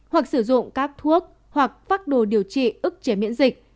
hoặc sử dụng các thuốc hoặc phác đồ điều trị ức chế miễn dịch